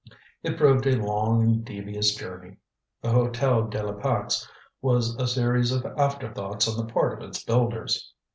It proved a long and devious journey. The Hotel de la Pax was a series of afterthoughts on the part of its builders.